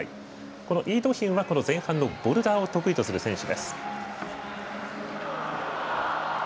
このイ・ドヒュンは前半のボルダーを得意とする選手です。